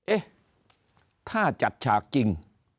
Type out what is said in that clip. เอ๊ะถ้าจัดฉากจริง